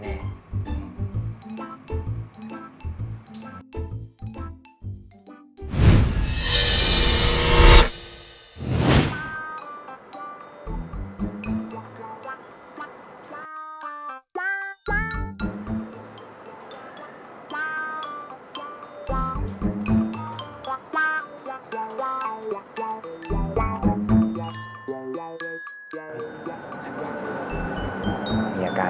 กูสนเรียกว่า